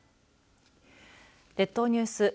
列島ニュース